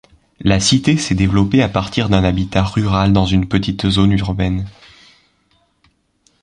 La cité s'est développée à partir d'un habitat rural dans une petite zone urbaine.